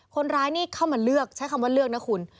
คนร้ายนี่เข้ามาเลือกใช้คำว่าเลือกนะคุณ